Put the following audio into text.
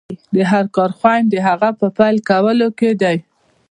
د هر کار خوند د هغه په پيل کولو کې دی.